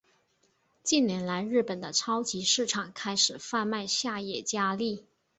近年来日本的超级市场开始贩卖下野家例。